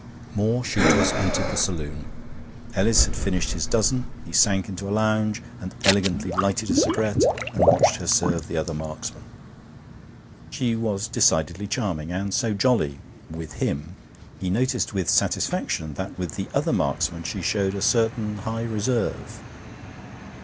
More shooters entered the saloon. Ellis had finished his dozen; he sank into a lounge, and elegantly lighted a cigarette, and watched her serve the other marksmen. She was decidedly charming, and so jolly with him. He noticed with satisfaction that with the other marksmen she showed a certain high reserve.